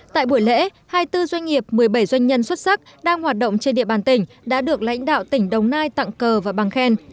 tại buổi lễ hai mươi bốn doanh nghiệp một mươi bảy doanh nhân xuất sắc đang hoạt động trên địa bàn tỉnh đã được lãnh đạo tỉnh đồng nai tặng cờ và bằng khen